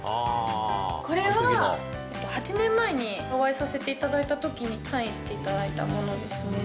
これは８年前にお会いさせていただいたときにサインしていただいたものですね。